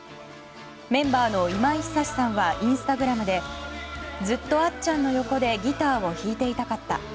メンバーの今井寿さんはインスタグラムで「ずっと、あっちゃんの横でギターを弾いていたかった」